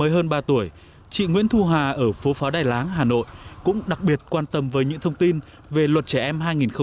hơn ba tuổi chị nguyễn thu hà ở phố pháo đài láng hà nội cũng đặc biệt quan tâm với những thông tin về luật trẻ em hai nghìn một mươi